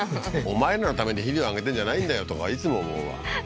お前らのために肥料あげてんじゃないんだよとかいつも思うわははは